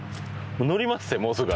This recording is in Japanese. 乗りまっせもうすぐ。